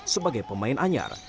sebagai pemain anyar